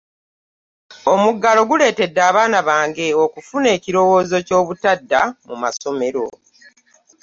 omugalo guleetedde abaana bango okufuna ekirowoozo ky'obutadda mu masomero